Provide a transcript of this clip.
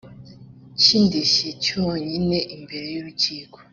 cy indishyi cyonyine imbere y urukiko